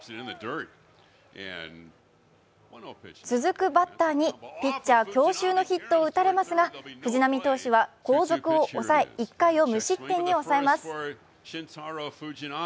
続くバッターにピッチャー強襲のヒットを打たれますが藤浪投手は後続を抑え１回を無失点に抑えます。